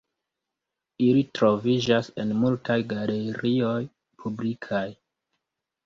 Ili troviĝas en multaj galerioj publikaj.